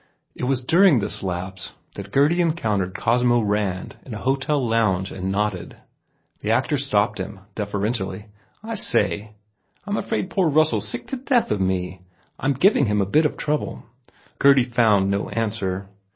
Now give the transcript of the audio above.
It was during this lapse that Gurdy encountered Cosmo Rand in a hotel lounge and nodded. The actor stopped him, deferentially, "I say, I m afraid poor Russell s sick to death of me. I m giving him a bit of trouble." Gurdy found no answer.